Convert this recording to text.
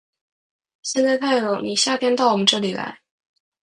现在太冷，你夏天到我们这里来。